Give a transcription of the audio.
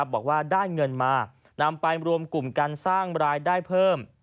บอกว่าได้เงินมานำไปรวมกลุ่มการสร้างรายได้เพิ่ม